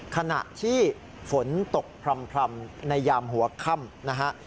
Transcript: ขณะที่ฝนตกพร่ำในยามหัวค่ำนะฮะ